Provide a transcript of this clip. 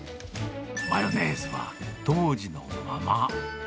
マヨネーズは当時のまま。